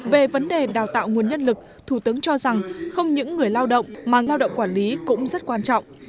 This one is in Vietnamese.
về vấn đề đào tạo nguồn nhân lực thủ tướng cho rằng không những người lao động mà lao động quản lý cũng rất quan trọng